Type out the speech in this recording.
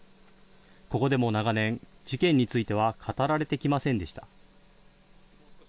ここでも長年、事件については語られてきませんでした。